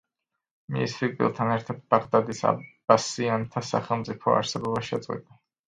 მის სიკვდილთან ერთად ბაღდადის აბასიანთა სახალიფომ არსებობა შეწყვიტა.